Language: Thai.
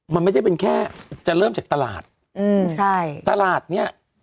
มันไม่ได้เป็นแค่จะเริ่มจากตลาดอืมใช่ตลาดเนี้ย